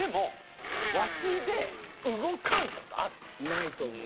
ないと思う。